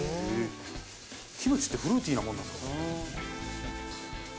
キムチってフルーティーなものなんですか？